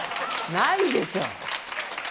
ないでしょ。